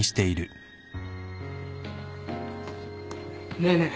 ねえねえ